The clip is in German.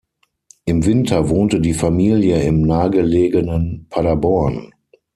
Im Winter wohnte die Familie im nahegelegenen Paderborn.